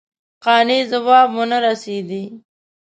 قاطع جواب ونه رسېدی.